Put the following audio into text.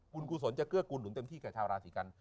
คุณกุศลจะเกื้อกูลหนุนเต็มที่กับชาวราศีกัน